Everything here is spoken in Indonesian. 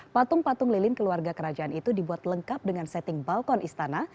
patung patung lilin keluarga kerajaan itu dibuat lengkap dengan setting balkon istana